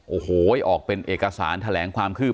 โอ้โหออกเป็นเอกสารแถลงความคืบหน้า